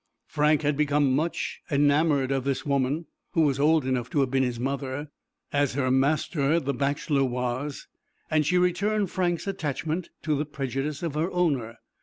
Frank had become as much enamored of this woman, who was old enough to have been his mother, as her master, the bachelor was; and she returned Frank's attachment, to the prejudice of her owner.